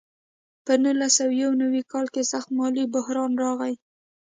په نولس سوه یو نوي کال کې سخت مالي بحران راغی.